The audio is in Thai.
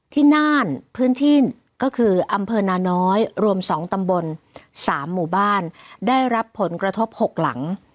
น่านพื้นที่ก็คืออำเภอนาน้อยรวม๒ตำบล๓หมู่บ้านได้รับผลกระทบ๖หลัง